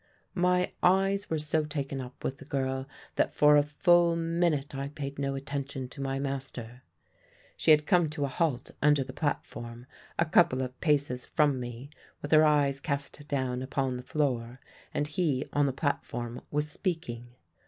"My eyes were so taken up with the girl that for a full minute I paid no attention to my master. She had come to a halt under the platform, a couple of paces from me, with her eyes cast down upon the floor; and he on the platform was speaking.